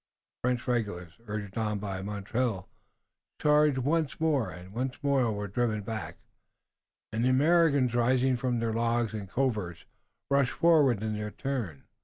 The French regulars, urged on by Montreuil, charged once more, and once more were driven back, and the Americans, rising from their logs and coverts, rushed forward in their turn.